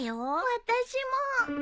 私も。